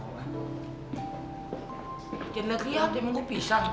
padahal bebek melmel tuh bilang ke gua kalau reva itu pengen minta maaf sama lu